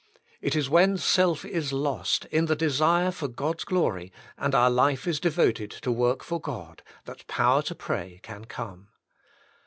It is when self is lost in the desire for God's glory, and our life is devoted to work for God, that power to pray can come.